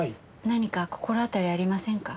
何か心当たりありませんか？